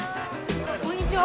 こんにちは。